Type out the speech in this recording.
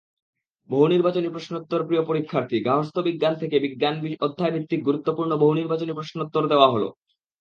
বহুনির্বাচনি প্রশ্নোত্তরপ্রিয় পরীক্ষার্থী, গার্হস্থ্য বিজ্ঞান বিষয় থেকে অধ্যায়ভিত্তিক গুরুত্বপূর্ণ বহুনির্বাচনি প্রশ্নোত্তর দেওয়া হলো।